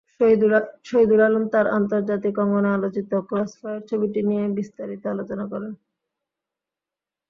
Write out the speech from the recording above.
শহীদুল আলম তাঁর আন্তর্জাতিক অঙ্গনে আলোচিত ক্রসফায়ার ছবিটি নিয়ে বিস্তারিত আলোচনা করেন।